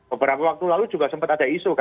beberapa waktu lalu juga sempat ada isu